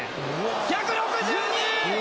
「１６２。